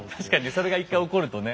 それが１回起こるとね。